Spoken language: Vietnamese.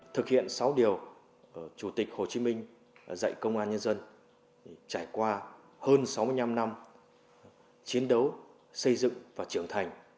thực hiện sáu điều chủ tịch hồ chí minh dạy công an nhân dân trải qua hơn sáu mươi năm năm chiến đấu xây dựng và trưởng thành